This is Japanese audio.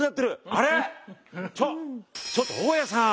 あれっ⁉ちょっちょっと大家さん！